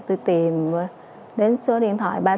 tôi tìm đến số điện thoại